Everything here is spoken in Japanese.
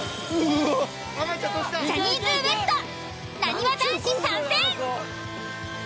ジャニーズＷＥＳＴなにわ男子参戦！